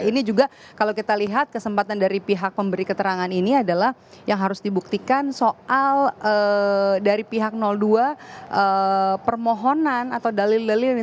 ini juga kalau kita lihat kesempatan dari pihak pemberi keterangan ini adalah yang harus dibuktikan soal dari pihak dua permohonan atau dalil dalil ini